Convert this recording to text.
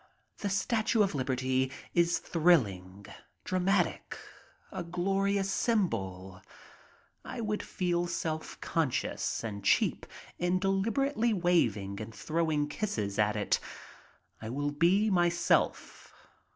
The Statue of Liberty is thrilling, dramatic, a glorious symbol. I would feel self conscious and cheap in deliber ately waving and throwing kisses at it. I will be myself.